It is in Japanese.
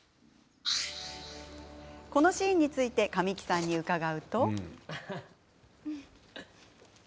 このシーンについて神木さんに伺うと。